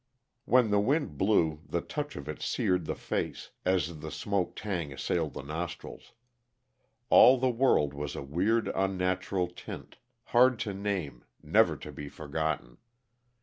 When the wind blew, the touch of it seared the face, as the smoke tang assailed the nostrils. All the world was a weird, unnatural tint, hard to name, never to be forgotten.